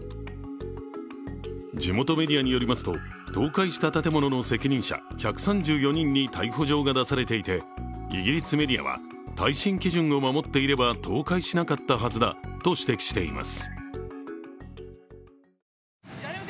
地元メディアによりますと倒壊した建物の責任者１３４人に逮捕状が出されていてイギリスメディアは耐震基準を守っていれば倒壊しなかったはずだと指摘しています。